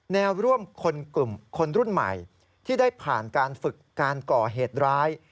แนวร่วมคนกลุ่มคนรุ่นใหม่ที่ได้ผ่านการฝึกการก่อเหตุร้าย